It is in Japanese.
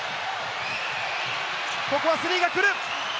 ここはスリーが来る！